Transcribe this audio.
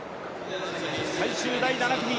最終第７組。